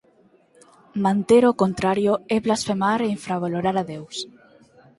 Manter o contrario é blasfemar e infravalorar a Deus.